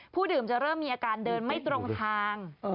ดื่มจะเริ่มมีอาการเดินไม่ตรงทาง